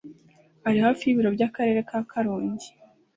riri hafi y'ibiro by'akarere ka karongi